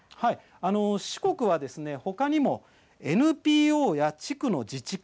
四国はほかにもＮＰＯや地区の自治会